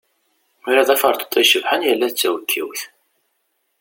Ula d aferṭeṭṭu icebḥen, yella d tawekkiwt.